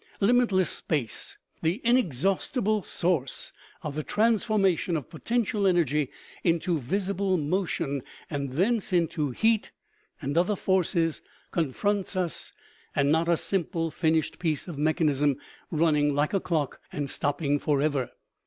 Limitless space, the inexhaustible source of the transformation of potential energy into visible motion, and thence into heat and other forces, confronts us, and not a simple, finished piece of mechanism, running like a clock and stopping forever.